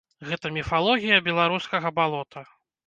Гэта міфалогія беларускага балота.